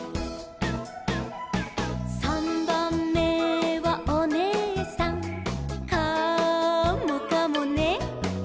「さんばんめはおねえさん」「カモかもね」